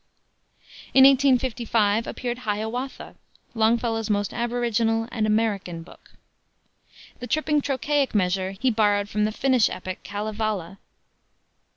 In 1855 appeared Hiawatha, Longfellow's most aboriginal and "American" book. The tripping trochaic measure he borrowed from the Finnish epic Kalevala.